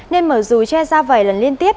nên mở dù che ra vầy lần liên tiếp